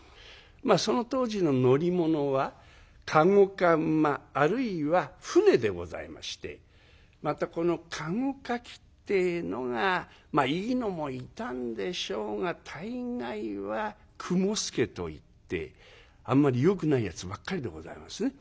まあその当時の乗り物は駕籠か馬あるいは船でございましてまたこの駕籠かきってえのがまあいいのもいたんでしょうが大概は雲助といってあんまりよくないやつばっかりでございますね。